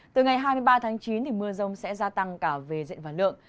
từ ngày hai mươi ba tháng chín thì mưa rông sẽ gia tăng cả về dịp và lượng